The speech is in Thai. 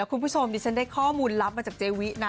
คุณผู้ชมดิฉันได้ข้อมูลลับมาจากเจวินะ